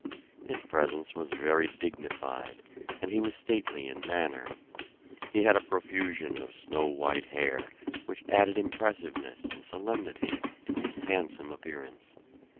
His presence was very dignified, and he was stately in manner. He had a profusion of snow white hair, which added impressiveness and solemnity to his handsome appearance.